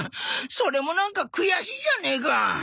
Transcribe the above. それもなんか悔しいじゃねえか。